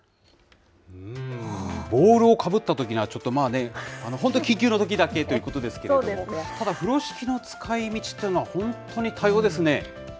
ボウルをかぶったときには、ちょっと、まあね、本当に緊急のときだけということですけれども、ただ、風呂敷の使いみちっていうのは、本当に多様ですね。